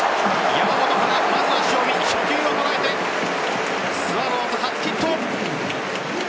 山本からまずは塩見、初球を捉えてスワローズ初ヒット。